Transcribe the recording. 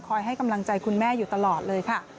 ให้กำลังใจคุณแม่อยู่ตลอดเลยค่ะ